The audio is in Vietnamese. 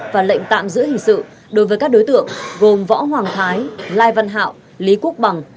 và lệnh tạm giữ hình sự đối với các đối tượng gồm võ hoàng thái lai văn hạo lý quốc bằng